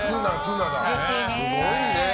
すごいね。